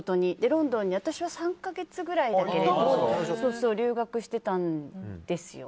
ロンドンに私は３か月ぐらいだけど留学してたんですよ。